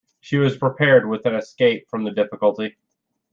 She was prepared with an escape from the difficulty?